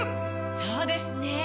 そうですね。